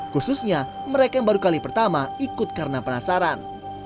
khususnya mereka yang baru kali pertama ikut karena penasaran